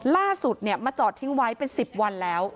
ล่าสุดมาจอดทิ้งไว้เป็น๑๐วันแล้ว